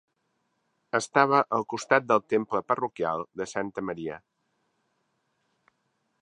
Estava al costat del temple parroquial de Santa Maria.